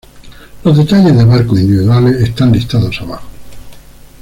Los detalles de barcos individuales están listados abajo.